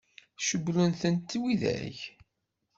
Cewwlen-tent widak?